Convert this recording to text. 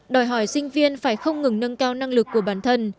đòi hỏi sinh viên phải không ngừng nâng cao năng lực của bản thân